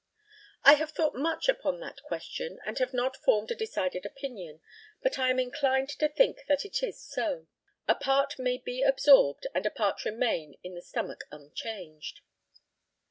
I have thought much upon that question, and have not formed a decided opinion, but I am inclined to think that it is so. A part may be absorbed and a part remain in the stomach unchanged.